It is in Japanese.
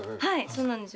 そうなんですよ